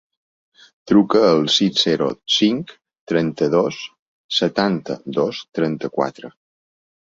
Truca al sis, zero, cinc, trenta-dos, setanta-dos, trenta-quatre.